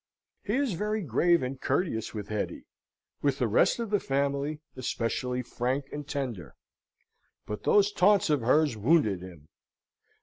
He is very grave and courteous with Hetty; with the rest of the family especially frank and tender. But those taunts of hers wounded him.